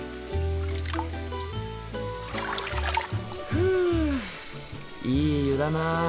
ふいい湯だな。